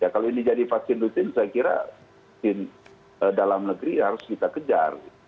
kalau ini jadi vaksin rutin saya kira vaksin dalam negeri harus kita kejar